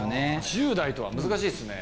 １０代とは難しいですね。